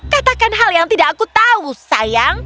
katakan hal yang tidak aku tahu sayang